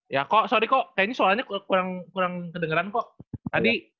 ya kok sorry kok kayaknya ini soalnya kurang kedengeran kok